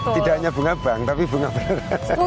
tidak hanya bunga bank tapi bunga beras